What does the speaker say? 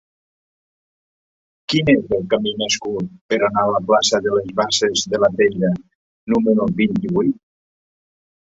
Quin és el camí més curt per anar a la plaça de les Basses de la Peira número vint-i-vuit?